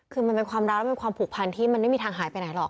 คือมันเป็นความรักและเป็นความผูกพันที่มันไม่มีทางหายไปไหนหรอก